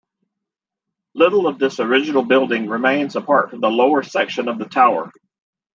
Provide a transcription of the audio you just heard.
Little of this original building remains apart from the lower section of the tower.